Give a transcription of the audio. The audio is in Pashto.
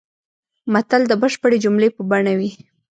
متل د بشپړې جملې په بڼه وي